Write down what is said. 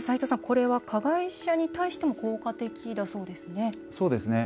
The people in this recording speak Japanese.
これは加害者に対しても効果的だそうですね。